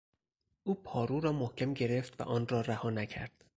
او پارو را محکم گرفت و آنرا رها نکرد.